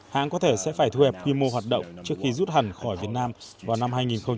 hãng có thể sẽ phải thu hẹp quy mô hoạt động trước khi rút hẳn khỏi việt nam vào năm hai nghìn hai mươi